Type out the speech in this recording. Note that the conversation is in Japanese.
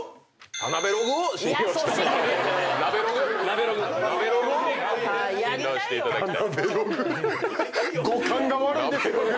田辺ログを信頼していただきたい。